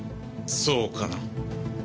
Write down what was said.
そうかな？